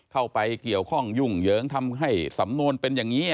เข้าไปเกี่ยวข้องยุ่งเหยิงทำให้สำนวนเป็นอย่างนี้